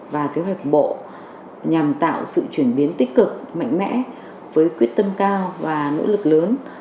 và kế hoạch của bộ nhằm tạo sự chuyển biến tích cực mạnh mẽ với quyết tâm cao và nỗ lực lớn